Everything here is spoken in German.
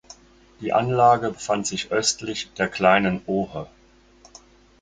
Die Anlage befand sich östlich der Kleinen Ohe.